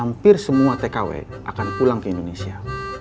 kecuali yang masa kerjanya di indonesia kecuali yang masa kerjanya di indonesia